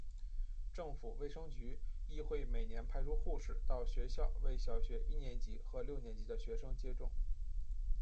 政府卫生局亦会每年派出护士到学校为小学一年级和六年级的学生接种。